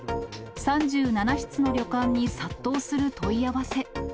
３７室の旅館に、殺到する問い合わせ。